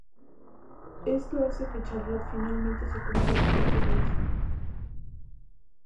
Esto hace que Charlotte finalmente se convierta al judaísmo.